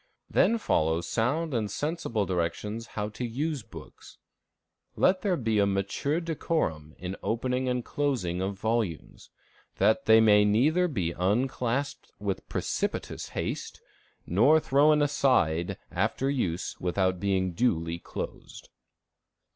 Then follow sound and sensible directions how to use books. "Let there be a mature decorum in opening and closing of volumes, that they may neither be unclasped with precipitous haste, nor thrown aside after use without being duly closed."